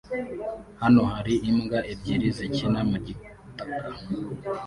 Hano hari imbwa ebyiri zikina mu gitaka